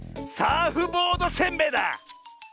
サーフボードせんべいだ！